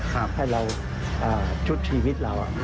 ให้เราชุดชีวิตเรา